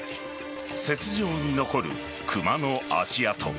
雪上に残るクマの足跡。